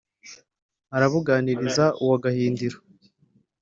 arabúganiriza uwa gahindiro